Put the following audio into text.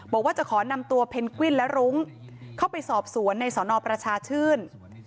บอกว่าจะขอนำตัวเพนกวิ้นและรุ้งเข้าไปสอบสวนในสนประชาชื่น